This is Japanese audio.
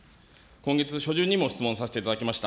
今月初旬にも質問させていただきました